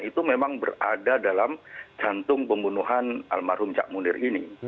itu memang berada dalam jantung pembunuhan almarhum cak munir ini